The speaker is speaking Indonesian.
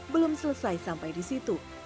belum selesai sampai di situ